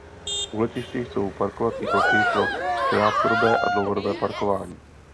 U letiště jsou parkovací plochy pro krátkodobé a dlouhodobé parkování.